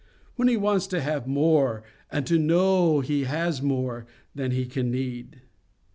When he wants to have more, and to know he has more, than he can need.